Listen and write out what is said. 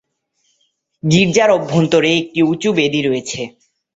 গির্জার অভ্যন্তরে একটি উচু বেদি রয়েছে।